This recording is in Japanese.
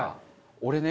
俺ね